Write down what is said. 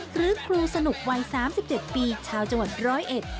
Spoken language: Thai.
หรือครูสนุกวัย๓๗ปีชาวจังหวัดร้อยเอ็ด